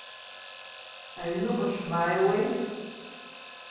Аҩныҟа шәмааиуеи?